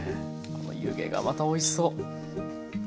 この湯気がまたおいしそう！